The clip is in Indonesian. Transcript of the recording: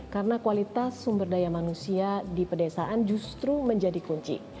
karena kualitas sumber daya manusia di pedesaan justru menjadi kunci